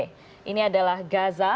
ini adalah gaza